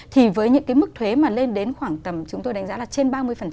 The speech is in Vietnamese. thì với những cái mức thuế mà lên đến khoảng tầm chúng tôi đánh giá là trên ba mươi